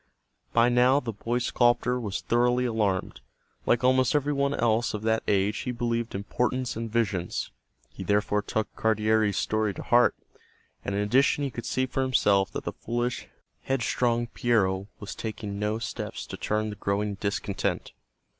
By now the boy sculptor was thoroughly alarmed. Like almost every one else of that age he believed in portents and visions; he therefore took Cardiere's story to heart, and in addition he could see for himself that the foolish, headstrong Piero was taking no steps to turn the growing discontent.